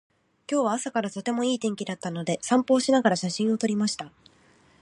今日は朝からとてもいい天気だったので、散歩をしながら写真を撮りました。